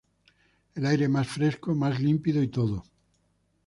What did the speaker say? El aire más fresco, más límpido, y todo.